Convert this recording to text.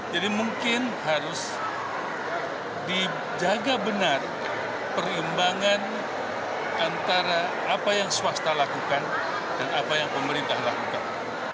jadi mungkin harus dijaga benar perkembangan antara apa yang swasta lakukan dan apa yang pemerintah lakukan